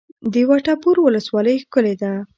د وټه پور ولسوالۍ ښکلې ده